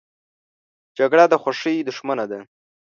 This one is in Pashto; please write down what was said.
جګړه د خوښۍ دښمنه ده